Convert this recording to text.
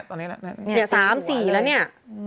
๓๔แล้วเนี่ย